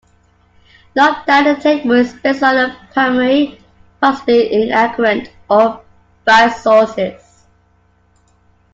Note that the table is based on primary, possibly inaccurate or biased sources.